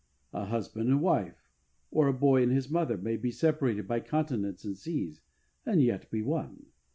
A husband and wife, or a boy and his mother, may be separated by continents and seas, and yet be one.